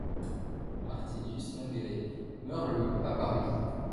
Martinus Lengele meurt le à Paris.